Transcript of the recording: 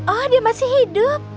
oh dia masih hidup